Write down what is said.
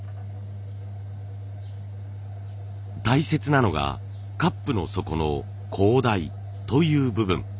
大切なのがカップの底の高台という部分。